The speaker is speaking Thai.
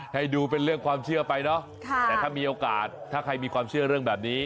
ให้ดูเป็นเรื่องความเชื่อไปเนาะแต่ถ้ามีโอกาสถ้าใครมีความเชื่อเรื่องแบบนี้